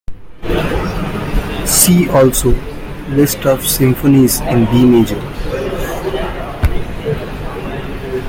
See also: List of symphonies in B major.